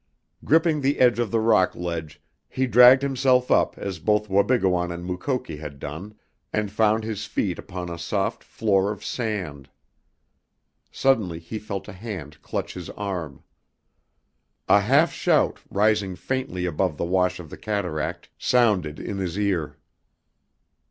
Gripping the edge of the rock ledge he dragged himself up as both Wabigoon and Mukoki had done, and found his feet upon a soft floor of sand. Suddenly he felt a hand clutch his arm. A half shout, rising faintly above the wash of the cataract, sounded in his ear.